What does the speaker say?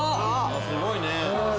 すごいね！